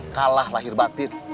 kalah lahir batin